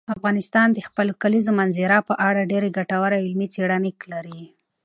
افغانستان د خپلو کلیزو منظره په اړه ډېرې ګټورې او علمي څېړنې لري.